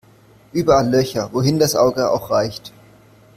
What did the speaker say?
Überall Löcher, wohin das Auge auch reicht.